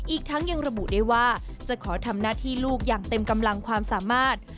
อีกทั้งยังระบุได้ว่าจะขอทำหน้าที่ลูกอย่างเต็มกำลังความสามารถ